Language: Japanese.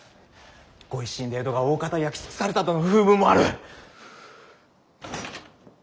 御一新で江戸がおおかた焼き尽くされたとの風聞もある。